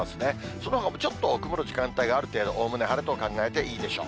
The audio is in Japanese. そのほかもちょっと曇る時間帯がある程度、おおむね晴れと考えていいでしょう。